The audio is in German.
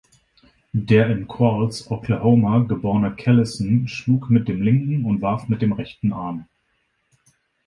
Der in Qualls, Oklahoma, geborene Callison schlug mit dem linken und warf mit dem rechten Arm.